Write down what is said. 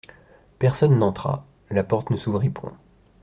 Personne n'entra ; la porte ne s'ouvrit point.